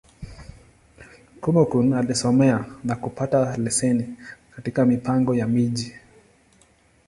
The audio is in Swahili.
Kúmókụn alisomea, na kupata leseni katika Mipango ya Miji.